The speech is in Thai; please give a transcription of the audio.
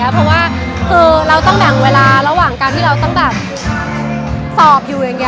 เพราะว่าถ้าต้องแบ่งเวลาที่เราต้องสอบอยู่